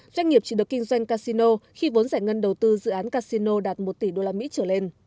doanh nghiệp chỉ được kinh doanh casino khi vốn giải ngân đầu tư dự án casino đạt một tỷ usd trở lên